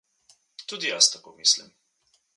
Tudi jaz tako mislim.